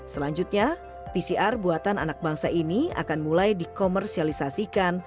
selanjutnya pcr buatan anak bangsa ini akan mulai dikomersialisasikan